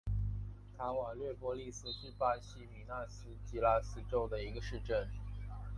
卡瓦略波利斯是巴西米纳斯吉拉斯州的一个市镇。